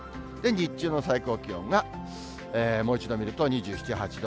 日中の最高気温がもう一度見ると、２７、８度。